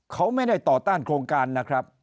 เขาไม่ได้ต่อต้านโครงการนะครับ